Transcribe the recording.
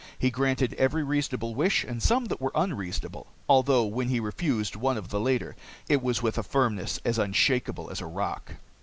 He granted every reasonable wish and some that were unreasonable although when he refused one of the latter, it was with a firmness as unshakeable as a rock.